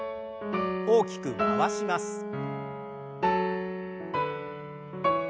大きく回します。